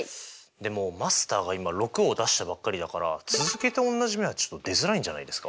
でもマスターが今６を出したばっかりだから続けて同じ目はちょっと出づらいんじゃないですか？